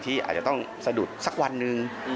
อาจจะต้องสะดุดสักวันหนึ่ง